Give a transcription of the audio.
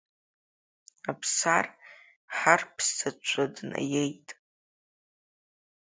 Аԥсар харԥзаҵәы днаиеит.